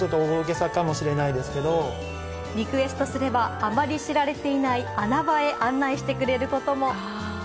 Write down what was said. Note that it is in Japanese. リクエストすればあまり知られていない穴場へ案内してくれることも。